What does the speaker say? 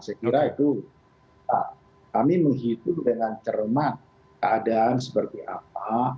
saya kira itu kami menghitung dengan cermat keadaan seperti apa